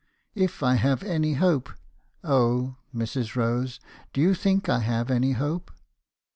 If I have any hope — oh, Mrs. Rose, do you think I have any hope?'